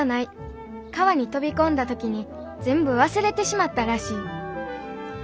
川に飛び込んだ時に全部忘れてしまったらしい。